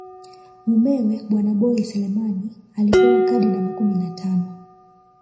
Mumewe bwana Boi Selemani alipewa kadi namba kumi na tano